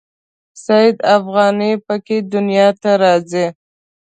سید افغاني په کې دنیا ته راځي.